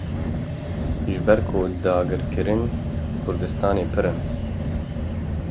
Ji ber ku dagirkerên Kurdistanê pir in.